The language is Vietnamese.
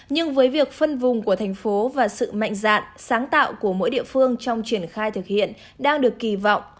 nhưng với việc phân vùng của thành phố và sự mạnh dạn sáng tạo của mỗi địa phương trong triển khai thực hiện đang được kỳ vọng